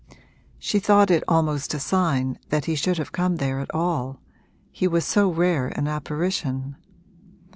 She thought it almost a sign that he should have come there at all he was so rare an apparition.